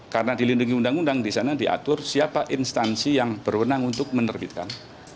karena dilindungi undang undang di sana diatur siapa instansi yang berwenang untuk menerbitkan